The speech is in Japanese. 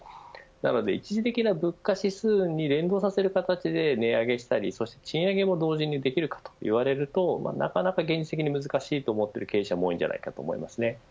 なので一時的な物価指数に連動させる形で値上げしたり、賃上げも同時にできるかといわれるとなかなか現実的に難しいと思っている経営者も多いと思います。